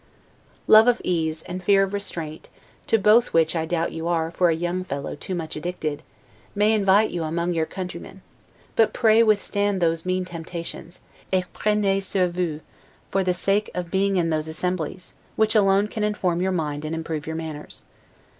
Love of ease, and fear of restraint (to both which I doubt you are, for a young fellow, too much addicted) may invite you among your countrymen: but pray withstand those mean temptations, 'et prenez sur vous', for the sake of being in those assemblies, which alone can inform your mind and improve your manners.